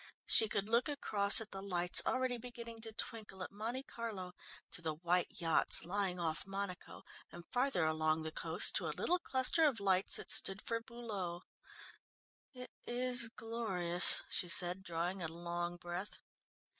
She could look across at the lights already beginning to twinkle at Monte Carlo, to the white yachts lying off Monaco, and farther along the coast to a little cluster of lights that stood for Beaulieu. "It is glorious," she said, drawing a long breath.